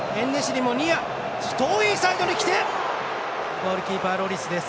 ゴールキーパー、ロリスです。